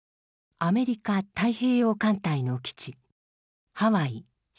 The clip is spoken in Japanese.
アメリカ太平洋艦隊の基地